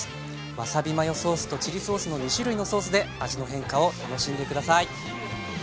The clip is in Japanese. わさびマヨソースとチリソースの２種類のソースで味の変化を楽しんで下さい。